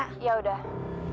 sampai ketemu ya rizal